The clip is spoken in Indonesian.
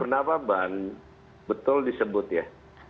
nama saya sukurnawa bang betul disebut ya